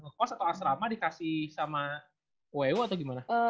ngekos atau asrama dikasih sama ww atau gimana